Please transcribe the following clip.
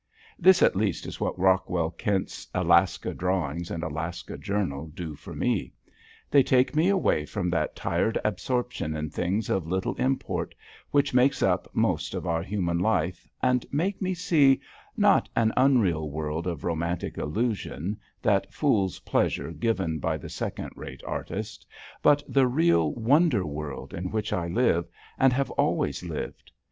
This, at least, is what Rockwell Kent's Alaska drawings and Alaska journal do for me; they take me away from that tired absorption in things of little import which makes up most of our human life and make me see, not an unreal world of romantic illusion, that fool's pleasure given by the second rate artist, but the real wonder world in which I live and have always lived.